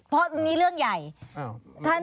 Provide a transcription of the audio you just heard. เพราะนี่เรื่องใหญ่